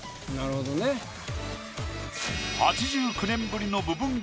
８９年ぶりの部分